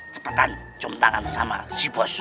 cepatan cium tangan sama si bos